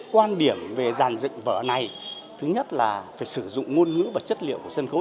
quan điểm về dàn dựng vở này thứ nhất là phải sử dụng ngôn ngữ và chất liệu của sân khấu